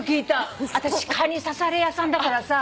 私蚊に刺され屋さんだからさ。